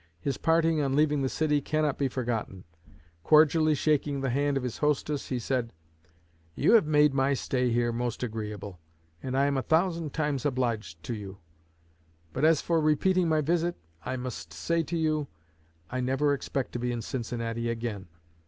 His parting on leaving the city cannot be forgotten. Cordially shaking the hand of his hostess, he said: 'You have made my stay here most agreeable, and I am a thousand times obliged to you; but as for repeating my visit, I must say to you I never expect to be in Cincinnati again.